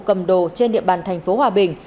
cầm đồ trên địa bàn thành phố hòa bình